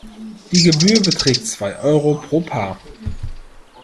Die Gebühr beträgt zwei Euro pro Paar.